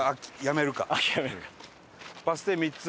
バス停３つ。